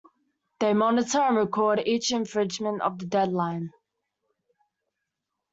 They monitor and record each infringement of the deadline.